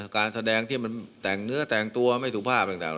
การแสดงช่วยมันวาวการเนื้อจากตัวไม่ถูกภาพ